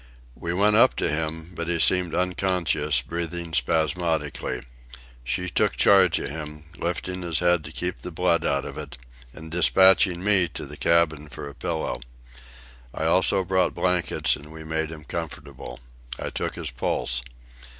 We went up to him, but he seemed unconscious, breathing spasmodically. She took charge of him, lifting his head to keep the blood out of it and despatching me to the cabin for a pillow. I also brought blankets, and we made him comfortable. I took his pulse.